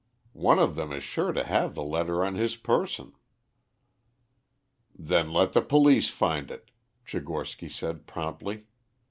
One of them is sure to have the letter on his person." "Then let the police find it," Tchigorsky said promptly.